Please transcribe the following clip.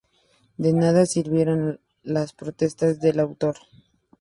De nada sirvieron las protestas del autor.